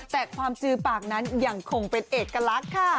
แต่ความจือปากนั้นยังคงเป็นเอกลักษณ์ค่ะ